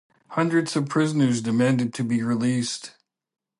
Hundreds of prisoners demanded to be released.